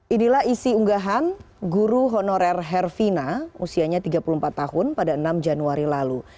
inilah isi unggahan guru honorer herfina usianya tiga puluh empat tahun pada enam januari lalu